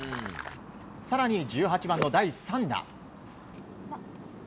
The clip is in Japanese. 更に１８番の第３打。